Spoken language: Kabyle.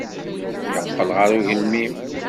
Yeqqel ɣer ugelmim.